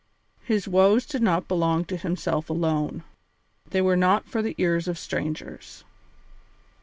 His woes did not belong to himself alone; they were not for the ears of strangers.